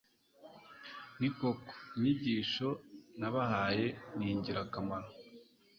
ni koko, inyigisho nabahaye ni ingirakamaro